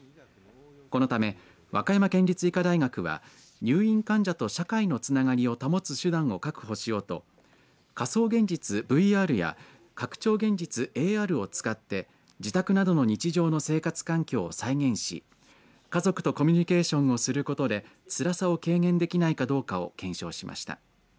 このため和歌山県立医科大学は入院患者と社会のつながりを保つ手段を確保しようと仮想現実、ＶＲや拡張現実、ＡＲを使って自宅などの日常の生活環境を再現し家族とコミュニケーションすることでつらさを軽減できないかどうかを検証しました。